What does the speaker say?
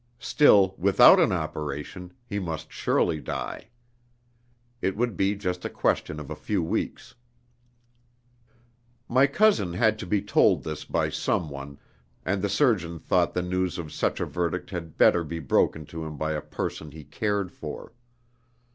Still, without an operation, he must surely die. It would be just a question of a few weeks. My cousin had to be told this by some one, and the surgeon thought the news of such a verdict had better be broken to him by a person he cared for.